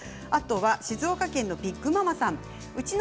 静岡県の方からです。